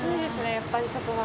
やっぱり外は。